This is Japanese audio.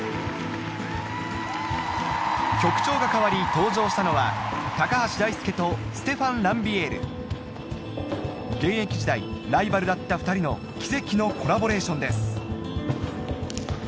曲調が変わり登場したのは高橋大輔とステファン・ランビエール現役時代ライバルだった２人の奇跡のコラボレーションです